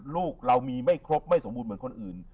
ลูกเรามีไม่ครบไม่สมบูรณ์เหมือนคนอื่น